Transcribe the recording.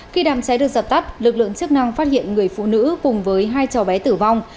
khi đàm cháy được giật tắt lực lượng chức năng phát hiện người phụ nữ cùng với hai cháu bé tử vong